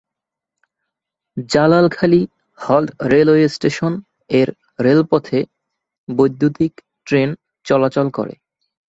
Jalal Khali halt railway station এর রেলপথে বৈদ্যুতীক ট্রেন চলাচল করে।